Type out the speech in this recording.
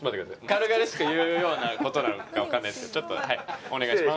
軽々しく言うようなことなのかわかんないですけどお願いします